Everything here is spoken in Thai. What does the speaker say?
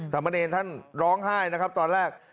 สามเมอร์เนนท่านร้องไห้นะครับตอนแรก